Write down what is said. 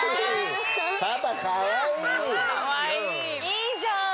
いいじゃん！